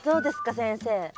先生。